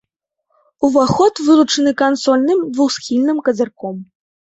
Уваход вылучаны кансольным двухсхільным казырком.